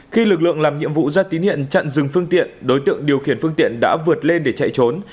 khi lực lượng làm nhiệm vụ ra tín hiện chặn dừng phương tiện đối tượng điều khiển phương tiện đã vượt lên để chạy trốn